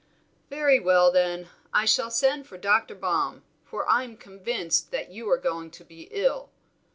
"Very well. I shall send for Dr. Baum, for I'm convinced that you are going to be ill.